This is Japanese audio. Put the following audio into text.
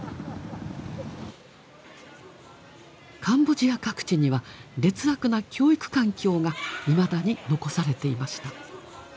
カンボジア各地には劣悪な教育環境がいまだに残されていました。